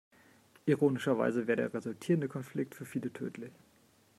Ironischerweise wäre der resultierende Konflikt für viele tödlich.